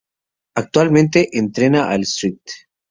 Actualmente entrena al St.